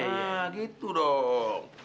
nah gitu dong